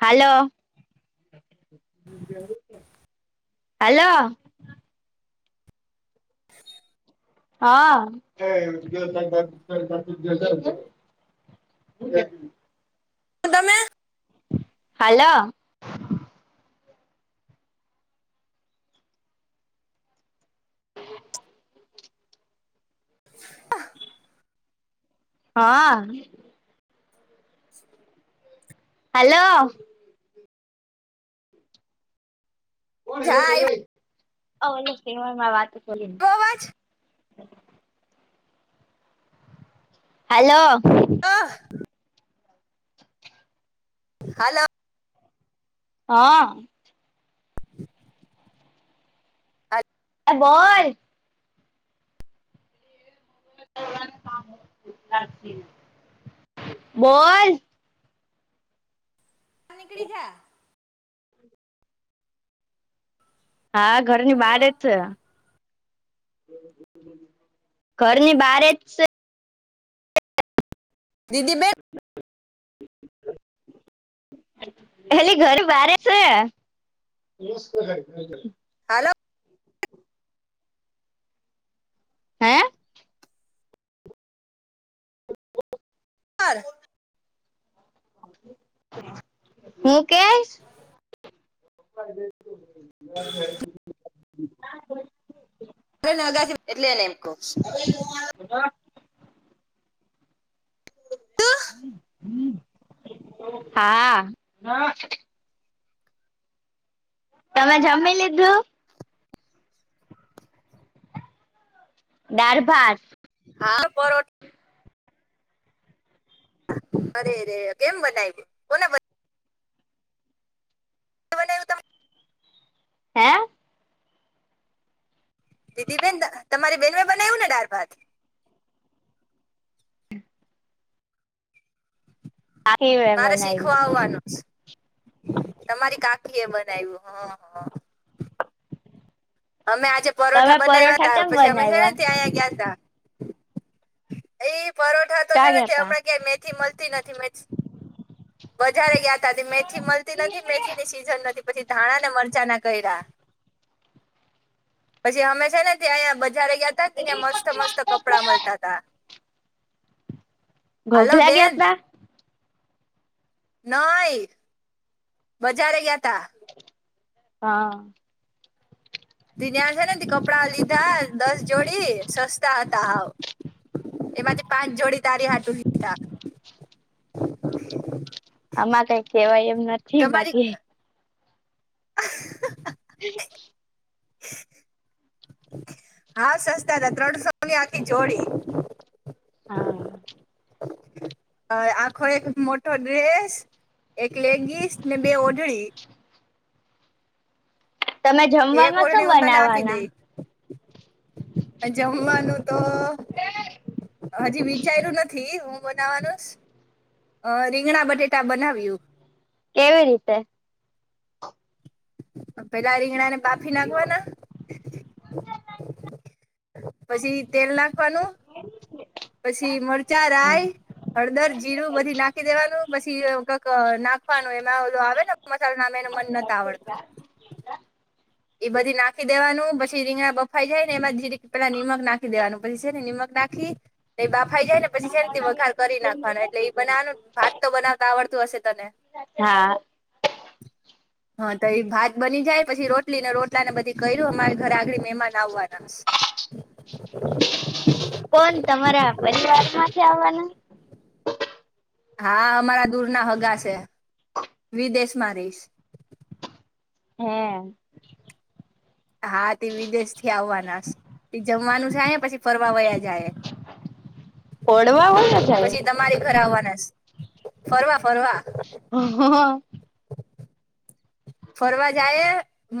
હાલો hello હા એ દ દ હ તમે હાલો અ હા [inaudible] હલો જા આવ્યો વાતોલી કવાજ હાલો ઓહ હાલ હા એ બોલ બોલ નીકળી જા હા ઘરની હલો બાર જ છે. ઘરની બાર જ સે દીદી બેન હેલી ઘર બારે છે. હાલલો હે ચાર હું કેય [inaudible] [unintelligible] એટલેને [unintelligible] [inaudible] હા તમે જમી લીધું દાળ ભાત હા પરોઠા અરેરે કેમ બતાઈ કોને બતાઈ શું બનાવ્યું તમે હે દીદી બેન તમારી બેન બનાવ્યું ને દાળ ભાત આખી વે મારે બનાવી શીખવા આવવાનું સે તમારી કાકી એ બનાવ્યું હા હા અમે આજે તમે પરોઠા બનાવ્યા પરોઠા હતા કેમ પછી અમે છે ને બનાવ્યા ત્યાંયા ગયા તા એઈ પરોઠા તો છે ચા ને ગયા તા હમણાં ક્યાં મેથી મલતી નથી મેથી બજારે ગયાતા મેથી મલતી નથી મેથી સીઝન નથી પછી ધાણા ને મરચા ના કર્યા. પછી અમે છે ને અયા બજારે ગયા હતા ત્યાં મસ્ત મસ્ત કપડા મલતા હતા. ગોધરા ગયા તા નઈ બજારે ગ્યાતા હા [unintelligible] છે ને કપડા લીધા દસ જોડી સસ્તા હતા હાવ એમાંથી પાંચ જોડી તારી હાટુ લીધા. આમાં કઈ કેવાય એમ નથી તમારી બાકી [inaudible] હાવ સસ્તા હતા ત્રણસોની આખી જોડી. હા અ આખો એક મોટો ડ્રેસ એક લેગીસ ને બે ઓઢળી તમે એક જમવામાં શું ઓઢણી હું તને આપી બનાવવાના દઈ જમવાનું તો હજી વિચાર્યું નથી હું બનાવાનું સ અ રીંગણા બટેટા બનાવ્યું કેવી રીતે પેલા રીંગણા ને બાફી નાખવાના પછી તેલ નાખવાનું [inaudible] પછી મરચાં હા. રાય હળદર જીરું બધી નાખી દેવાનું પછી કઈક નાખવાનું એમાં ઓલુ આવે ને મસાલા નું નામ એનું મન નથ આવડતું એ બધી નાખી દેવાનું પછી રીંગણા બફાઈ જાય ને એમાં જરીક પેલા નિમક નાખી દેવાનું પછી છે ને નિમક નાખી એ બફાઈ જાયને પછી શેમથી વઘાર કરી નાખવાનું એટલે એ બનાવાનું ભાત તો બનાવતા આવડતું હશે તને હા હા તો એ ભાત બની જાય પછી રોટલી ને રોટલા ને બધી કર્યું અમારી ઘરે આગળી મહેમાન આવવાનાસ કોણ તમારા પરિવાર માંથી આવવાના હા અમારા દૂર ના હગા છે વિદેશમાં રહેશે. હે હા તે વિદેશ થી આવવાના તે જમવાનું છે પછી ફરવા વયા જાય ઓડવા હોય ને જાય. પછી તમારે ઘર આવવાના ફરવા ફરવા [inaudible] ફરવા જાય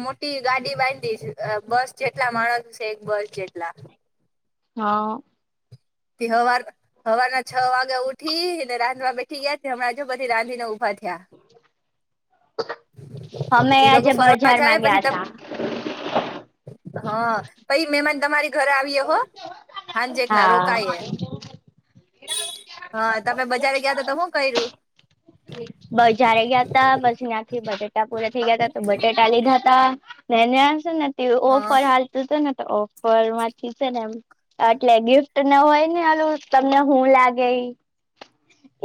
મોટી ગાડી બાંધી છે બસ જેટલા માણસ છે એક બસ જેટલા હા તિ હવાર સવાર ના છ વાગે ઉઠીને રાંધવા બેઠી ગયા હમણાં જો બધી રાંધીને ઊભા થયા અમે એ લોકો આજે ફરવા જાય બજારમાં પછી ગયા ત તા. હા પછી મહેમાન તમારી ઘરે આવીય હો હાંજેક ના રો હા. હા તમે બજારે ગયા તો તમૅ શું કર્યું બજારે ગયા તા પછી ત્યાંથી બટેેટા પૂરા થઇ ગયા હતા તો બટેટા લીધા ત ને છે ને હા ઓફર હાલતું હતું ને તો ઓફર માંથી છે ને એમ એટલે ગિફ્ટ ના હોય ને આલું તમને હું લાગે ઇ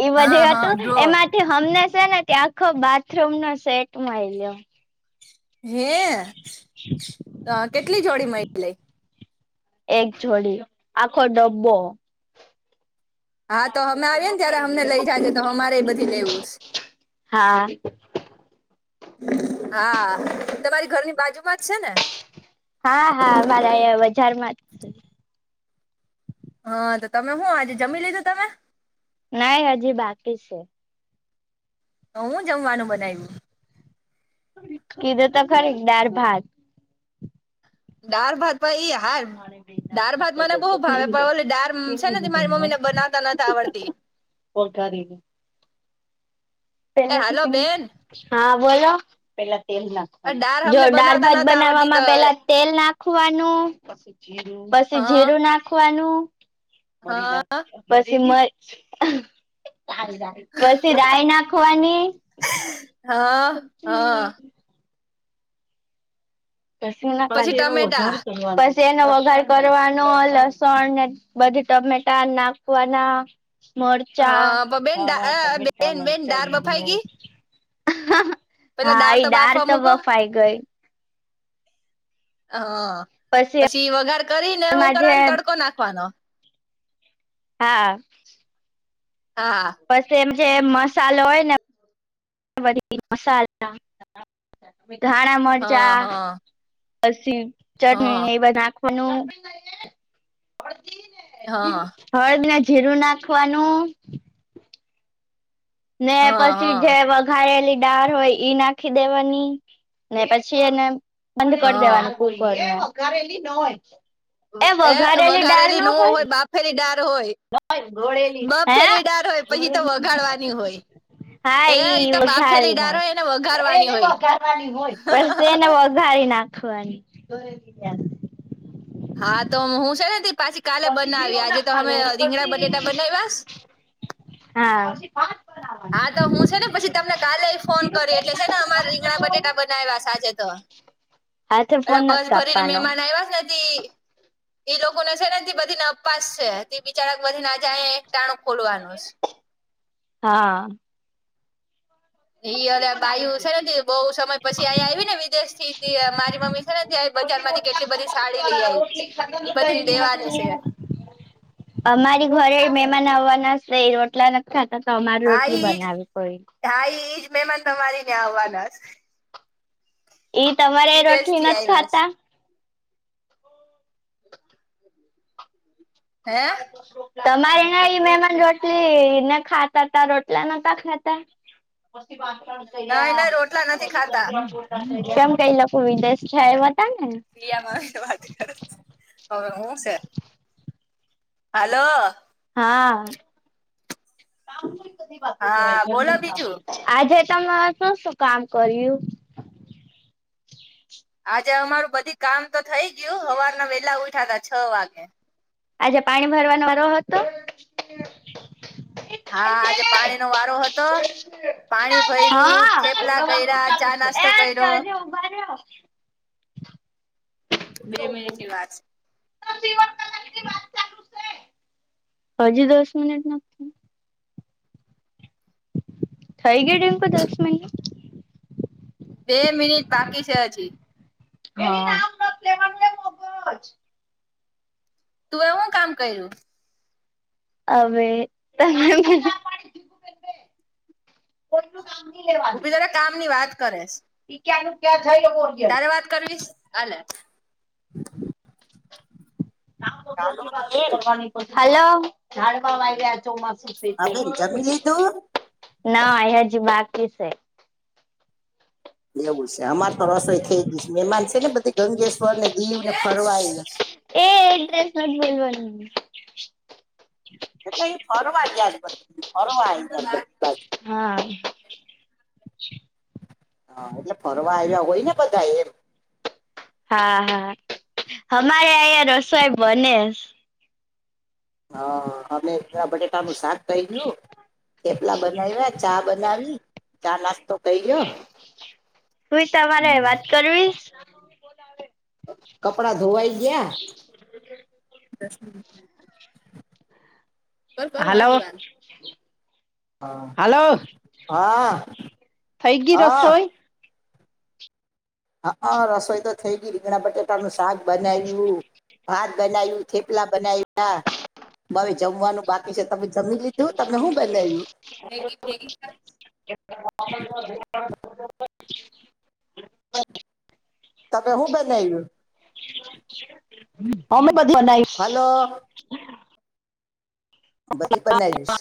એ હા બધું હા હતું ડ્રો એમાંથી હમને છે ને ત આખો બાથરૂમ નો સેટ મળીયો હે કેટલી જોડી મળી એક જોડી આખો ડબ્બો હા તો અમે આવીએ ને ત્યારે અમને લઇ જાજે તો અમારે બધું લેવું છે હા હા તમારી ઘરની બાજુમાં જ છે ને હા હા મારે બજારમાં જ છે હા તો તમે શું આજે જમી લીધું તમે નહી હજી બાકી છે તો હું જમવાનું બનાવ્યું કીધું તો ખરી દાળ ભાત દાળ ભાત ભ એ હાર દાળ ભાત મને બહુ ભાવે પણ ઓલી દાળ છે ને મારી મમ્મી ને બનાવતા નથી આવડતી ઓગળ ઓગાળી નૅ એ એનાથી હાલો બેન કઈ હા બોલો પહેલા તેલ નાખ આ દાળ જો અમને દાળ બનાવતા ભાત નથ આવડતી તો બનાવવામાં પહેલા તેલ નાખવાનું પછી હા જીરું નાખવાનું મરી હા પછી મ પછી રાય નાખવાની હા હા પછી એનો વઘાર કરવાનો તેનો વઘાર કરવાનો લસણ ને બધું ટમેટા નાખવાના મરચાં હા પણ બેન દા ધાણા અ, ટમેટા બેન બેન મરચાં દાળ લીમડો બફાઈ ગઈ પેલા હા એ દાળ બાફવા તો મૂકો બફાઈ ગઈ હા પછી વઘાર કરીને હું એમાં જે કરવા તડકો નાખવાનો હા હા પછ એમ જે મસાલો હોય ને બધી મસાલા ધાણા મરચા હા હા પછી હા ચટણી એવા નાખવાનું હા હળદને જીરું નાખવાનું-' ને હા પછી જે હા વગર હા ઓલી ડાળ હોય ઈ નાખી દેવાની ને પછી એને બંધ કરી હા દેવાનું ઉપર ના એ વધારેલી ન હોય એ વઘારેલી ન હોય બાફેલી દાળ હોય ગોળલી હ બફેલી ડાળ હોય પછી તો ગોળલી વઘાડવાની હોય હા એ ઈ એ તો બાફેલી વઘારી ડાળ નાખ હોય એને વઘારવાની હોને હોય વઘારી નાખ નાખવાની, હા તો હું છે ને પાછી કાલે બનાવી આજે તો તમે રીંગણા બટેટા બનાવયસ હા પછી ભાત હા તો હું છે ને પછી તમને કાલે ફોન કરે એટલે છે ને અમારે રીંગણા બટેટા બનાવ્યા આજે તો-' હાથે ફોન અલા બસ નથી ભરીને કાપવાનો મહેમાન આવ્યા છે તે એ લોકોને છે ને તે બધીને ઉપવાસ છે તે બિચારા બધીને આજે અ એક ટાણું ખોલવાનું છે. હા એઈ અ બાયુ છે બહુ સમય પછી અહીયા આવી ને વિદેશ થી મારી મમ્મી ને ત્યાં બજાર માંથી કેટલી બધી સાડી લઈ આવી છે એ બધીને દેવાની છે. અમારી ઘરે મમાન આવવાના છે રોટલા-' ખાતા તમારી રોટલી બનાવી પડિ હાાઈ એજ મહેમાન તમારી ત્યા આવવાના ઈ છે તમારે વિદેશ રોટલી થી નથી આવ્યા ખાતા છે હે તમા તમારે નાં મહેમાન રોટલી ને ખાતા તા રોટલા નતા ખાતા પછી વાસણ કરી ના યા એના રોટલા નથી પછી ખાતા કચરા પોતા કેમ કઈ લોકો વિદેશ છે એ બ હતા નેને પ્રિયા મા વાત કર હવે હું છે હાલો હા હા બોલો બીજું આજે તમે શું શું કામ કર્યું. આજે અમારું બધી કામ તો થઈ ગયું હવારના વેલા ઉઠા ત છ વાગે આજે પાણી ભરવાનો વારો હતો. હા આજે પાણી નો વારો હતો. પાણી ભર્યું હા થેપલા કર્યા ચા નાસ્તો કર્યો એજ ઉભા રહ્યો. [inaudible] બે મિનિટ ની વાત છે. [unintelligible] હજી દસ મિનિટ નથી. થઈ ગય ડમકો દસ મિનિટ છે બે મિનિટ બાકી છે હજી. હા તું એવું કામ કર્યું. હવે, હું બી તારે કામ ની વાત કરેશ પઈ ક્યા નું ક્યાં જઈ લ તારે વાત કરવીશ અલે ચાલો બેન વાતની ખ આવી ગ ચ માું હા બેન જમી લીધું [unintelligible] ના હજી બાકીકી છે. એવું છે અમાર તો રસોઈ થઈ ગઈ મહેમાન છે ને બધી ગંગેશ્વર ને દીવ ને ફરવાય એ એ ડ્રેસ ન બલવાનું એ એ ફરવા ગ ફરવા હા! હા! એટલે ફરવા આવ્યા હોય ને બધા એમ? હા હા! અમારે અહીંયા રસોઈ બને. હા અમે બટેટાનું શાક કહી ગયું ચેપલા બનાવ્યા. ચા બનાવી ચા નાસ્તો થઈ ગયો હુંઈ તમારે વાત કરવીશ કપડા ધોવાઈ ગયા [inaudible] કર કર વા દી વાન હ હા થઈ ગય હા રસોઈ હા રસોઈ તો થઈ ગઈ રીંગણા બટેટા ન શાક બનાવ્યું ભાત બનાવ્યું. થેપલા બનાયા હવે જમવાનું. બાકી છે તમે જમી લીધું તમે હું બનાવ્યું. [unintelligible] તમે હું બન આવું. અમે બધી બનાઈ. હલો. બધી પના દસ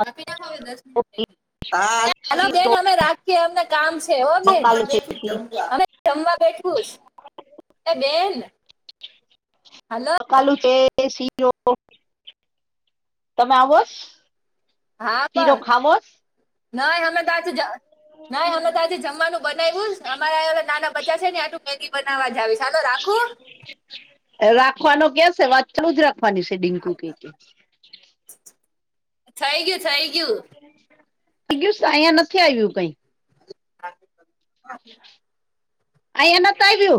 કાપી ના. ઓકે. હલો બેન. અમે રાખીએ અમને કામ છે ઓ બેન. અ જમવા બેઠું એ બેન. હલો. કાલુ તે શીરો. તમે આવો? હા બસ. ન હમે ત જ. ના અમે તો આજે જમવાનું બનાવ્યું. અમારાવા નાના બચા છે ને આટું. થી બનાવવા જાવ ચાલો રાખું. રાખવાનો ક્યાં છે. વાત ચાલું જ રાખવાની છે ડડીંકુ ક કે થઈ ગયું. થઈ ગયું. થી ગયું અહીયા નથી આવ્યું કઈ. [inaudible] આયા નથી આવ્યુ.